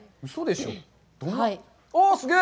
すげえ！